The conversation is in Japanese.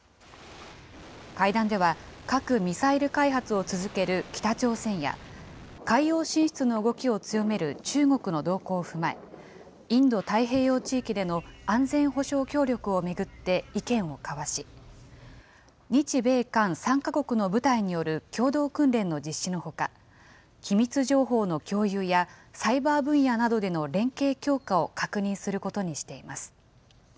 会談では、核・ミサイル開発を続ける北朝鮮や、海洋進出の動きを強める中国の動向を踏まえ、インド太平洋地域での安全保障協力を巡って意見を交わし、日米韓３か国の部隊による共同訓練の実施のほか、機密情報の共有や、サイバー分野などでの連携強化を確認することにしています。